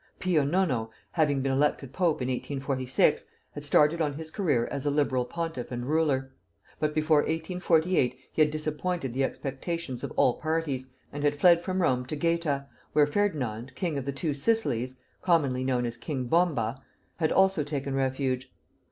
Pio Nono, having been elected pope in 1846, had started on his career as a liberal pontiff and ruler; but before 1848 he had disappointed the expectations of all parties, and had fled from Rome to Gaeta, where Ferdinand, king of the Two Sicilies (commonly known as King Bomba) had also taken refuge.